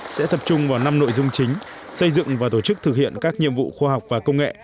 sẽ tập trung vào năm nội dung chính xây dựng và tổ chức thực hiện các nhiệm vụ khoa học và công nghệ